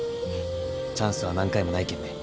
チャンスは何回もないけんね。